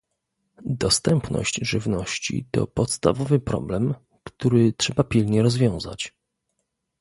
Dostępność żywności to podstawowy problem, który trzeba pilnie rozwiązać